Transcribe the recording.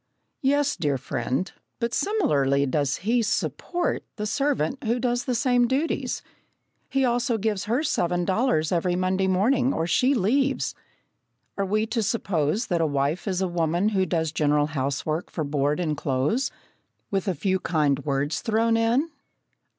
"Yes, dear friend, but similarly does he 'support' the servant who does the same duties. He also gives her seven dollars every Monday morning, or she leaves." Are we to suppose that a wife is a woman who does general housework for board and clothes, with a few kind words thrown in?